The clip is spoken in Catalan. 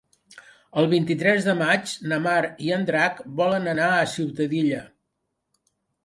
El vint-i-tres de maig na Mar i en Drac volen anar a Ciutadilla.